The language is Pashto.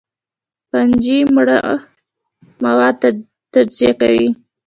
فنجي مړه مواد تجزیه کوي